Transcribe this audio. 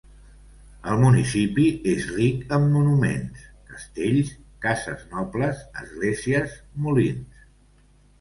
El municipi és ric en monuments: castells, cases nobles, esglésies, molins.